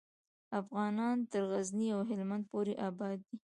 افغانان تر غزني او هیلمند پورې آباد دي.